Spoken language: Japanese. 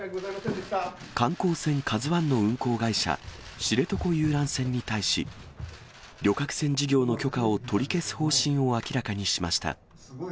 観光船、ＫＡＺＵＩの運航会社、知床遊覧船に対し、旅客船事業の許可を取り消す方針を明らかにしました。